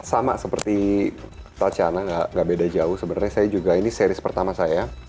sama seperti tatchana gak beda jauh sebenarnya saya juga ini series pertama saya